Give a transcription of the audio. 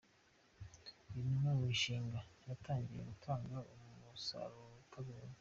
Uyu ni umwe mu mishinga yatangiye gutanga umusaruro tubonye.